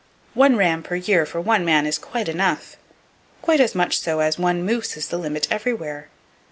One ram per year for one man is quite enough; quite as much so as one moose is the limit everywhere.